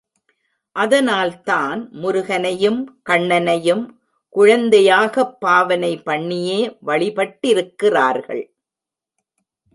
அதனால்தான் முருகனையும் கண்ணனையும் குழந்தையாகப் பாவனை பண்ணியே வழிபட்டிருக்கிறார்கள்.